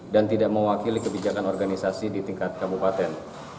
dan tidak mewakili kebijakan organisasi di tingkat kabupaten